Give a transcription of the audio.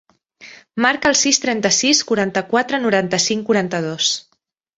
Marca el sis, trenta-sis, quaranta-quatre, noranta-cinc, quaranta-dos.